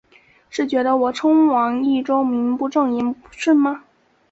是觉得我称王益州名不正言不顺吗？